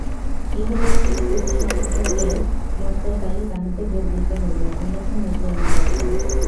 ইহলৌকিক সুখসম্ভোগের মত্ততায় তাহাকে যোগ দিতে হইবে, অন্যথা মৃত্যু অনিবার্য।